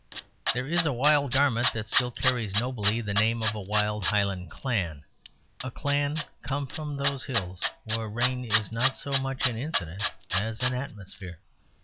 There is a wild garment that still carries nobly the name of a wild Highland clan: a elan come from those hills where rain is not so much an incident as an atmosphere.